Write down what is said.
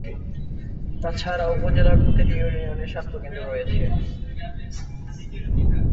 তাছাড়া উপজেলার প্রতিটি ইউনিয়নে স্বাস্থ্য কেন্দ্র রয়েছে।